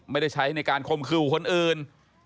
ไม่ได้ใช้ในการคมคู่คนอื่น